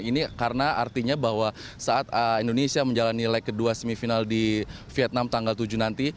ini karena artinya bahwa saat indonesia menjalani leg kedua semifinal di vietnam tanggal tujuh nanti